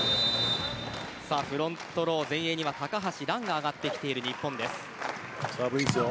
フロントロー、前衛には高橋藍が上がってきている日本です。